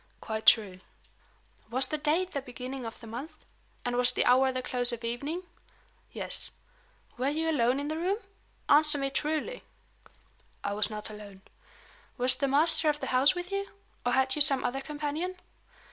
"Quite true." "Was the date the beginning of the month? and was the hour the close of evening?" "Yes." "Were you alone in the room? Answer me truly!" "I was not alone." "Was the master of the house with you? or had you some other companion?"